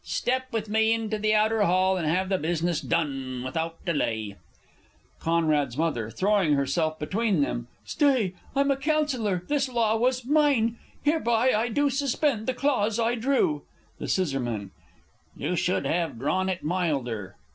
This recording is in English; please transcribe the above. Step with me into the outer hall, And have the business done without delay. C.'s M. (throwing herself between them.) Stay, I'm a Councillor this law was mine! Hereby I do suspend the clause I drew. The S. You should have drawn it milder.